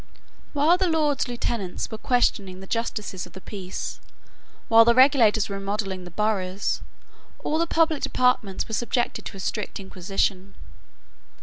While the Lords Lieutenants were questioning the justices of the Peace, while the regulators were remodelling the boroughs, all the public departments were subjected to a strict inquisition.